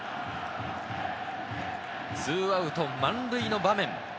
２アウト満塁の場面。